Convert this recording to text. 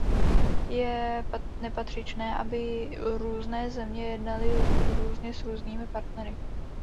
Je nepatřičné, aby různé země jednaly různě s různými partnery.